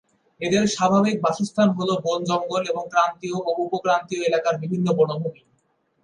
এদের স্বাভাবিক বাসস্থান হল বন জঙ্গল এবং ক্রান্তীয় ও উপক্রান্তীয় এলাকার বিভিন্ন বনভূমি।